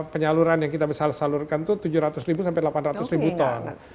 penyaluran yang kita bisa salurkan itu tujuh ratus ribu sampai delapan ratus ribu ton